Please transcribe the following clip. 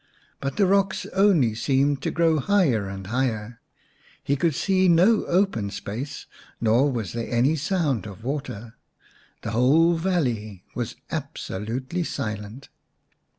But the rocks only seemed to grow higher and 239 The White Dove xx higher ; he could see no open space, nor was there any sound of water. The whole valley was absolutely silent.